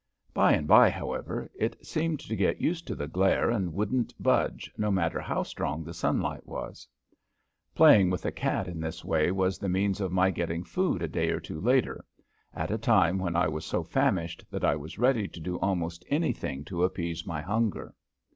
By and by, however, it seemed to get used to the glare and wouldn't budge, no matter how strong the sunlight was. Playing with the cat in this way was the means of my getting food a day or two later at a time when I was so famished that I was ready to do almost anything to appease my hunger.